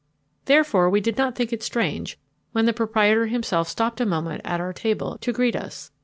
Therefore we did not think it strange when the proprietor himself stopped a moment at our table to greet us.